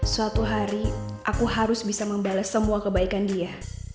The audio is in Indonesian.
suatu hari aku harus bisa membalas semua kebaikan dia